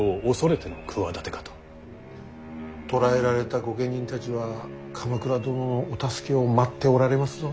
捕らえられた御家人たちは鎌倉殿のお助けを待っておられますぞ。